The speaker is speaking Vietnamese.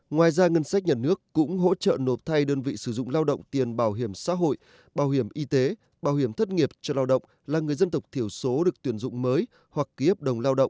ngoài ra ngân sách nhà nước cũng hỗ trợ nộp thay đơn vị sử dụng lao động tiền bảo hiểm xã hội bảo hiểm y tế bảo hiểm thất nghiệp cho lao động là người dân tộc thiểu số được tuyển dụng mới hoặc ký hợp đồng lao động